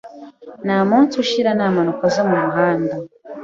Ntamunsi ushira nta mpanuka zo mumuhanda.